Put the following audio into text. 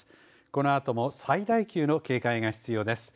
このあとも最大級の警戒が必要です。